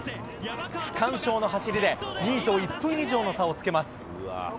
区間賞の走りで、２位と１分以上の差をつけます。